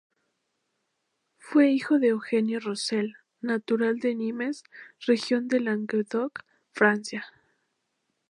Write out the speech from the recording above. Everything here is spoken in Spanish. Fue hijo de Eugenio Rossel, natural de Nimes, región de Languedoc, Francia.